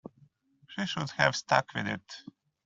She should have stuck with it.